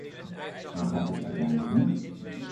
Waar gaat het uiteindelijk om?